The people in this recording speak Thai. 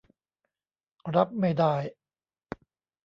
รับไม่ได้